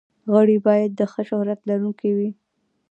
غړي باید د ښه شهرت لرونکي وي.